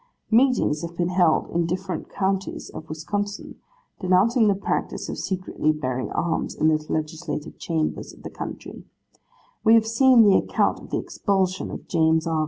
Meetings have been held in different counties of Wisconsin, denouncing the practice of secretly bearing arms in the Legislative chambers of the country. We have seen the account of the expulsion of James R.